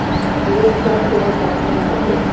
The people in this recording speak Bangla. ভেবেছিলাম, তোমার পছন্দ হবে।